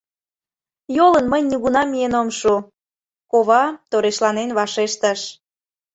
— Йолын мый нигунам миен ом шу, — кова торешланен вашештыш.